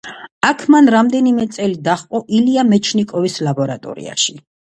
აქ მან რამდენიმე წელი დაჰყო ილია მეჩნიკოვის ლაბორატორიაში.